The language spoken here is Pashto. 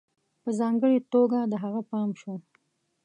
په ځانگړي توگه د هغه پام شو